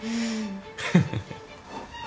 フフフ。